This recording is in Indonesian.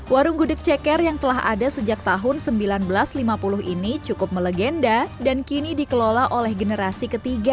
warung gudeg ceker yang telah ada sejak tahun seribu sembilan ratus lima puluh ini cukup melegenda dan kini dikelola oleh generasi ketiga